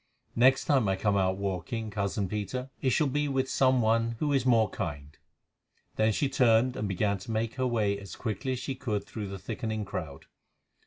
Next time I come out walking, cousin Peter, it shall be with some one who is more kind." Then she turned and began to make her way as quickly as she could through the thickening crowd.